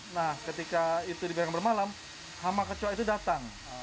nah ketika itu dibiarkan bermalam hama kecoak itu datang